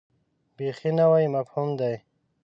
بیخي نوی مفهوم دی.